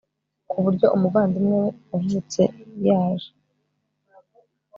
ku buryo umuvandimwe we wavutse yaje